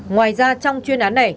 ngoài ra trong chuyên án này